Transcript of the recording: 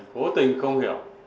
cố tình không hiểu